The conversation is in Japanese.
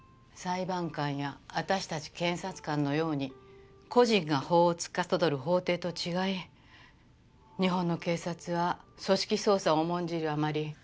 裁判官や私たち検察官のように個人が法を司る法廷と違い日本の警察は組織捜査を重んじるあまり。